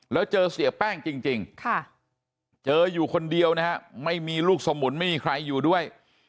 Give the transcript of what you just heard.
แล้วเจอเสียแป้งจริงเจออยู่คนเดียวนะฮะไม่มีลูกสมุนไม่มีใครอยู่ด้วย